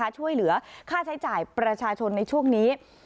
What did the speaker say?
ช่วยเหลือค่าใช้จ่ายประชาชนในช่วงนี้